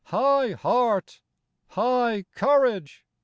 High heart ! High courage